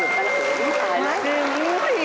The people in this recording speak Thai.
เฮ่ย